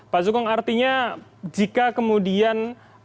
pak sukong artinya jika kemudian